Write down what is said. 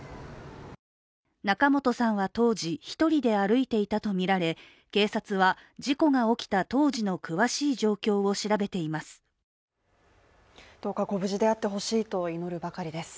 仲本さんは当時、１人で歩いていたとみられ、警察は事故が起きた当時の詳しい状況を調べています。